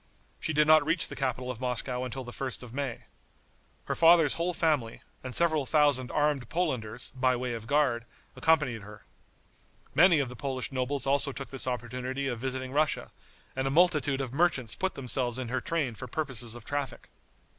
She did not reach the capital of Moscow until the 1st of May. Her father's whole family, and several thousand armed Polanders, by way of guard, accompanied her. Many of the Polish nobles also took this opportunity of visiting Russia, and a multitude of merchants put themselves in her train for purposes of traffic.